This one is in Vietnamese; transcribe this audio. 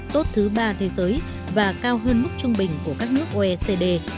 tốt thứ ba thế giới và cao hơn mức trung bình của các nước oecd